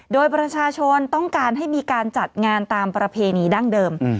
โดยประชาชนต้องการให้มีการจัดงานตามประเพณีดั้งเดิม